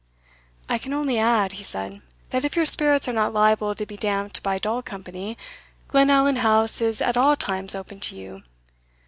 "I can only add," he said, "that if your spirits are not liable to be damped by dull company, Glenallan House is at all times open to you.